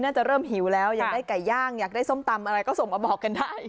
น่าจะเริ่มหิวแล้วอยากได้ไก่ย่างอยากได้ส้มตำอะไรก็ส่งมาบอกกันได้